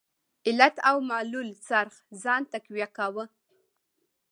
علت او معلول څرخ ځان تقویه کاوه.